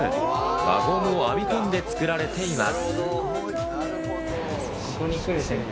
輪ゴムを編み込んで作られています。